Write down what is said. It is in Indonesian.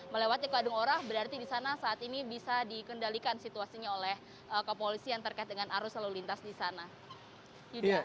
melewati kadung ora berarti di sana saat ini bisa dikendalikan situasinya oleh kepolisian terkait dengan arus lalu lintas di sana